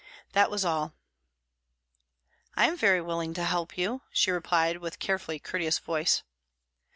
That was all." "I am very willing to help you," she replied, with carefully courteous voice.